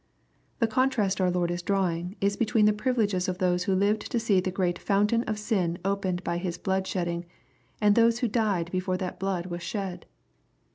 The contrast our Lord is drawing, is between the privileges of those who lived to see the great fountain of sin opened by his blood shedding, and those who died before that blood was shed.